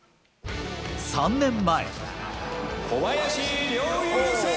３年前。